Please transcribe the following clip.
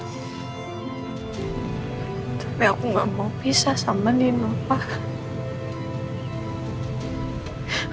tapi aku gak mau pisah sama nino pa